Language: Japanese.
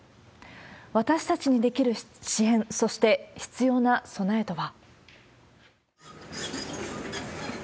私たちにできる支援、そして、必要な備えとは。